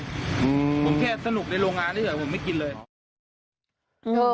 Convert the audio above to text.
ผมแค่สนุกในโรงงานเฉยผมไม่กินเลย